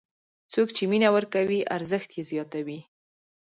څوک چې مینه ورکوي، ارزښت یې زیاتوي.